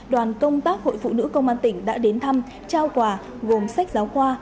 đoàn công tác hội phụ nữ công an tỉnh đã đến thăm trao quà gồm sách giáo khoa